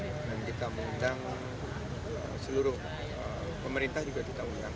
dan kita mengundang seluruh pemerintah juga kita mengundang